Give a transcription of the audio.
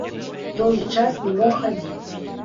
Доўгі час не мог хадзіць.